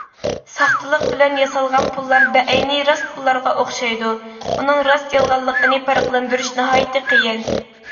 ساختىلىق بىلەن ياسالغان پۇللار بەئەينى راست پۇللارغا ئوخشايدۇ، ئۇنىڭ راست- يالغانلىقىنى پەرقلەندۈرۈش ناھايىتى قىيىن.